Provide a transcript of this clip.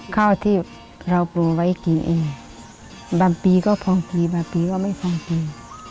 ข้าวที่เราปลูกไว้กินเองบางปีก็พอฟรีบางปีก็ไม่พอกิน